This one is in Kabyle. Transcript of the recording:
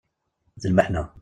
D lmeḥna.